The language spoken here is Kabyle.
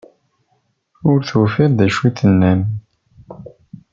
Ur tufiḍ d acu i d-tennam.